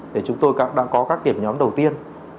để chúng tôi có các điểm nhóm đầu tiên